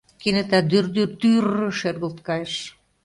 Кенета «дӱр-дӱр-дӱр-р-р!» шергылт кайыш.